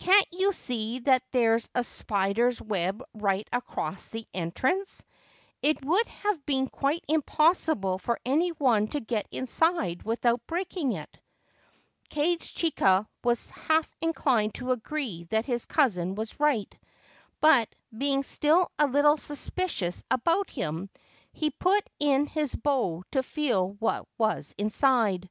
Can't you see that there is a spider's web right across the entrance ? It would have been quite impossible for any one to get inside without breaking it. Kage chika was half inclined to agree that his cousin was right ; but, being still a little suspicious about him, he put in his bow to feel what was inside.